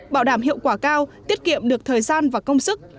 bảo đảm hiệu quả cao tiết kiệm được thời gian và công sức